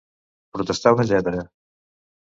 Protestar una lletra.